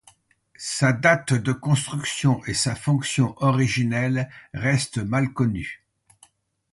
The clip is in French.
Sa date de construction et sa fonction originelle restent mal connues.